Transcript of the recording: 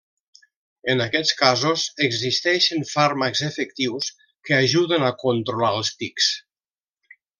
En aquests casos, existeixen fàrmacs efectius que ajuden a controlar els tics.